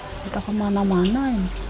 udah udah kemana mana